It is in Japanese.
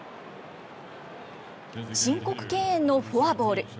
申告敬遠のフォアボール。